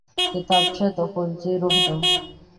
کتابچه د ښوونځي روح ده